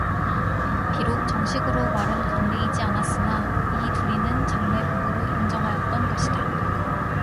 비록 정식으로 말은 건네이지 않았으나 이 둘이는 장래 부부로 인정하였던 것이다.